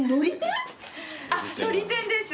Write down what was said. あっのり天です。